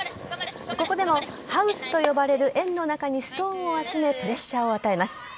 ここでもハウスと呼ばれる円の中にストーンを集めプレッシャーを与えます。